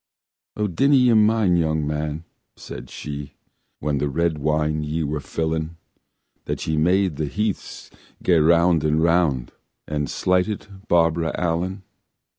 "O dinna ye mind, young man," said she, "When the red wine ye were fillin', That ye made the healths gae round and round, And slighted Barbara Allen?"